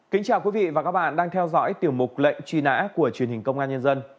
kính chào quý vị và các bạn đang theo dõi tiểu mục lệnh truy nã của truyền hình công an nhân dân